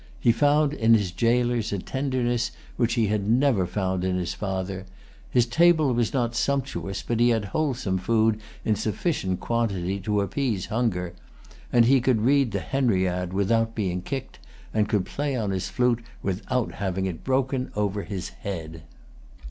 He found in his jailers a tenderness which he had never found in his father; his table was not sumptuous, but he had wholesome food in sufficient quantity to appease hunger; he could read the Henriade without being kicked, and could play on his flute without having it broken over his head.